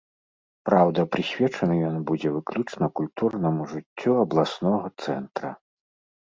Праўда, прысвечаны ён будзе выключна культурнаму жыццю абласнога цэнтра.